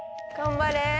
頑張れ。